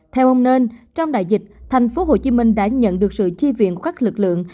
theo ông nên trong đại dịch tp hcm đã nhận được sự chi viện khắc lực lượng